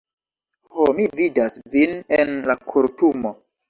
Ho, mi vidas vin en la kortumo.